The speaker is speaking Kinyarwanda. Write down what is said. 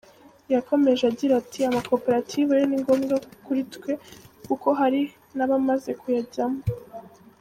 Yakomeje agira ati “Amakoperative yo ni ngombwa kuri twe kuko hari n’abamaze kuyajyam.